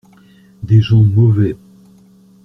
Des gens mauvais.